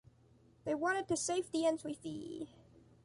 They wanted to safe the entry fee.